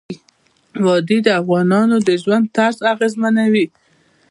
وادي د افغانانو د ژوند طرز اغېزمنوي.